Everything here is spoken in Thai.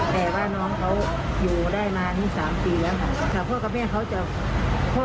แต่ก่อนช่วงไม่มีโควิดก็ก็ได้แตกตาเขาอยู่